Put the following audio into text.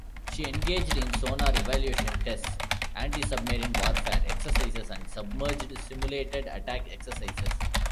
She engaged in sonar evaluation tests, antisubmarine warfare exercises, and submerged simulated attack exercises.